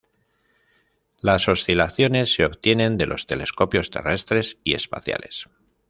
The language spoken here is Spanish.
Las oscilaciones se obtienen de los telescopios terrestres y espaciales.